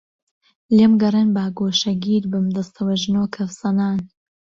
لێم گەڕێن با گۆشەگیر بم دەستەوئەژنۆ کەفزەنان